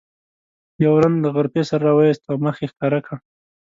یو رند له غرفې سر راوویست او مخ یې ښکاره کړ.